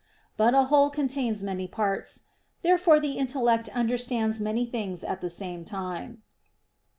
But a whole contains many parts. Therefore the intellect understands many things at the same time.